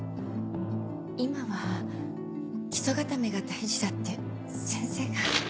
今は基礎固めが大事だって先生が。